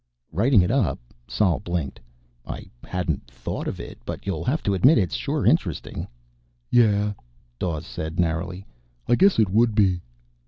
"Writing it up?" Sol blinked. "I hadn't thought of it. But you'll have to admit it's sure interesting." "Yeah," Dawes said narrowly. "I guess it would be."